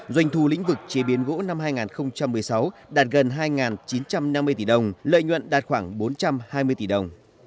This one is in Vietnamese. doanh thu lĩnh vực chế biến gỗ năm hai nghìn một mươi sáu đạt gần hai chín trăm năm mươi tỷ đồng lợi nhuận đạt khoảng bốn trăm hai mươi tỷ đồng